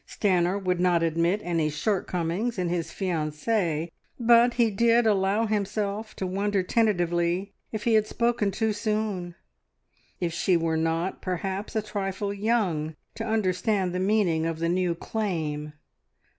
Stanor would not admit any shortcomings in his fiancee, but he did allow himself to wonder tentatively if he had spoken too soon: if she were not, perhaps, a trifle young to understand the meaning of the new claim.